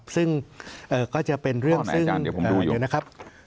ซึ่งก็จะเป็นเรื่องซึ่งข้อไหนอาจารย์เดี๋ยวผมดูอยู่นะครับ